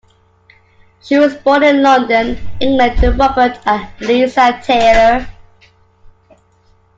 She was born in London, England, to Robert and Eliza Taylor.